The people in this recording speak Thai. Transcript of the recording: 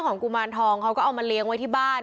ของกุมารทองเจ้าเครื่องให้ลงมาเรียงมาที่บ้าน